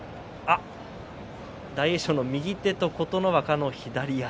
大栄翔の右手と琴ノ若の左足。